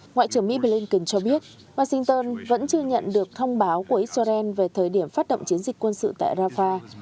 ngoại trưởng mỹ blinken cho biết washington vẫn chưa nhận được thông báo của israel về thời điểm phát động chiến dịch quân sự tại rafah